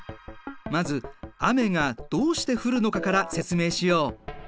まず雨がどうして降るのかから説明しよう。